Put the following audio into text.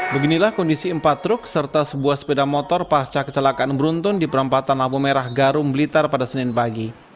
beginilah kondisi empat truk serta sebuah sepeda motor pasca kecelakaan beruntun di perempatan lampu merah garum blitar pada senin pagi